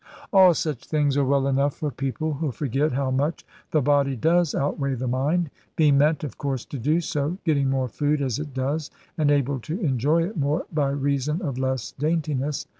All such things are well enough for people who forget how much the body does outweigh the mind, being meant, of course, to do so, getting more food, as it does, and able to enjoy it more, by reason of less daintiness.